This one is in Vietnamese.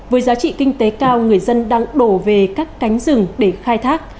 với giá trị kinh tế cao người dân đang đổ về các cánh rừng để khai thác